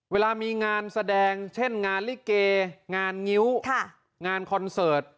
เวลามีงานแสดงเช่นงานลิเกงานงิ้วงานคอนเสิร์ต